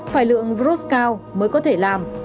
phải lượng virus cao mới có thể làm